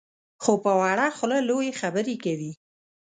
خو په وړه خوله لویې خبرې کوي.